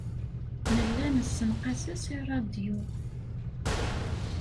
Nella nessenqas-as i ṛṛadyu.